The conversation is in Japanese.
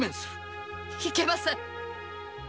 いけません！